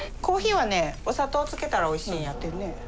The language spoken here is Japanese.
コーヒーはねお砂糖つけたらおいしいんやったよね。